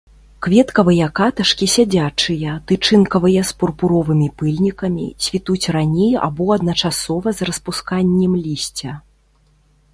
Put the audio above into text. Кветкавыя каташкі сядзячыя, тычынкавыя з пурпуровымі пыльнікамі, цвітуць раней або адначасова з распусканнем лісця.